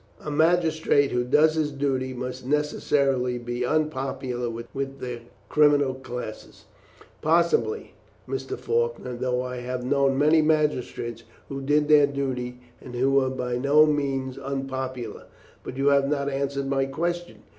"A magistrate who does his duty must necessarily be unpopular with the criminal classes." "Possibly, Mr. Faulkner, though I have known many magistrates who did their duty and who were by no means unpopular; but you have not answered my question.